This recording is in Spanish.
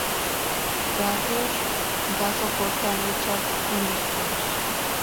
Jagger da soporte a Richards en los coros.